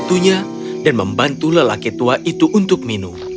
dan dia membantu lelaki tua itu untuk minum